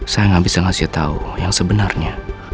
saya nggak bisa ngasih tahu yang sebenarnya